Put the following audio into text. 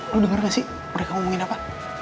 lu denger gak sih mereka ngomongin apa